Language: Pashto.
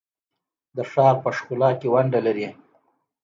د ښار په ښکلا کې ونډه لري؟